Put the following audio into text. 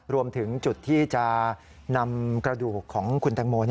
รวมถึงจุดที่จะนำกระดูกของคุณแตงโม